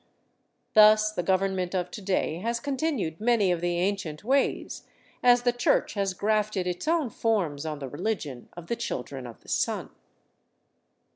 Thus the government of to day has continued many of the ancient ways, as the Church has grafted its own forms on the religion of the Children of the Sun.